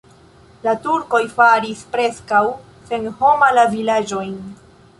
La turkoj faris preskaŭ senhoma la vilaĝojn.